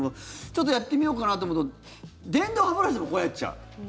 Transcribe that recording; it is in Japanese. ちょっとやってみようかなと思うと電動歯ブラシでもこうやっちゃう。